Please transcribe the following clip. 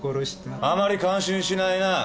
あまり感心しないな！